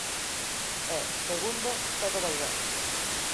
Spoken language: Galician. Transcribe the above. E, segundo, todo vai ben.